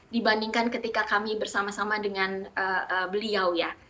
dibandingkan ketika kami bersama sama dengan beliau ya